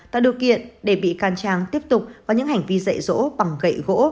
tạo điều kiện để bị can trang tiếp tục vào những hành vi dậy dỗ bằng gậy gỗ